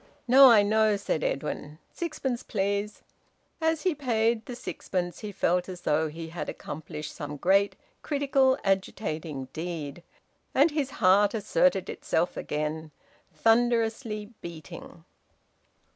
"No, I know," said Edwin. "Sixpence, please." As he paid the sixpence he felt as though he had accomplished some great, critical, agitating deed. And his heart asserted itself again, thunderously beating.